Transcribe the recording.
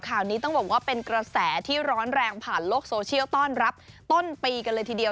ข่าวนี้ต้องบอกว่าเป็นกระแสที่ร้อนแรงผ่านโลกโซเชียลต้อนรับต้นปีกันเลยทีเดียว